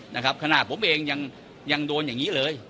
นะครับขนาดผมเองยังยังโดนอย่างนี้เลย